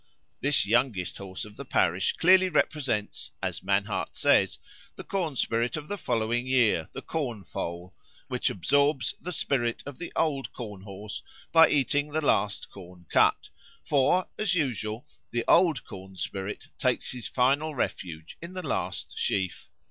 This youngest horse of the parish clearly represents, as Mannhardt says, the corn spirit of the following year, the Corn foal, which absorbs the spirit of the old Corn horse by eating the last corn cut; for, as usual, the old corn spirit takes his final refuge in the last sheaf.